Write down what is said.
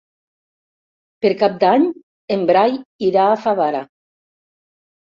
Per Cap d'Any en Blai irà a Favara.